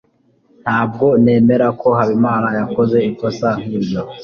Ntabwo nemera ko Habimana yakoze ikosa nkiryo.